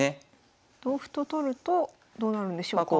同歩と取るとどうなるんでしょうか？